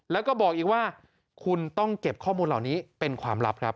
แล้วก็บอกอีกว่าคุณต้องเก็บข้อมูลเหล่านี้เป็นความลับครับ